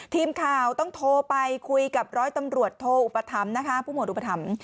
ทีมข่าวต้องโทรไปคุยกับร้อยตำรวจโทอุปถัมภ์นะคะผู้หวดอุปถัมภ์